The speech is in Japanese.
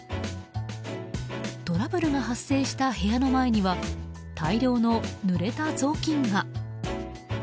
トラブルが発生した部屋の前には大量のぬれた雑巾が。